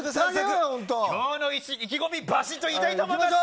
今日の意気込みバシッといきたいと思います。